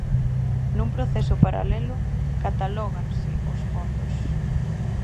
Nun proceso paralelo, catalóganse os fondos.